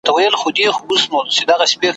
د هغه له معنا او مفهوم څخه عاجز سي `